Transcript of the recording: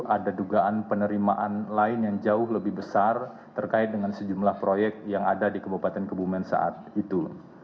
ada dugaan penerimaan lain yang jauh lebih besar terkait dengan sejumlah proyek yang ada di kabupaten kebumen saat itu